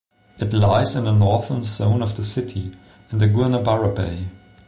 It lies in the northern zone of the city, in the Guanabara Bay.